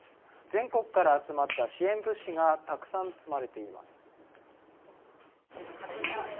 全国から集まった支援物資がたくさん積まれています。